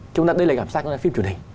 chúng ta đây là cảm giác phim truyền hình